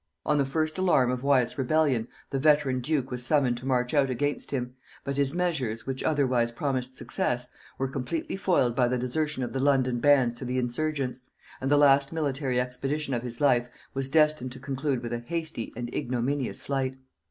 On the first alarm of Wyat's rebellion, the veteran duke was summoned to march out against him; but his measures, which otherwise promised success, were completely foiled by the desertion of the London bands to the insurgents; and the last military expedition of his life was destined to conclude with a hasty and ignominious flight.